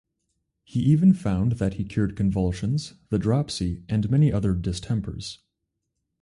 He even found that he cured convulsions, the dropsy, and many other distempers.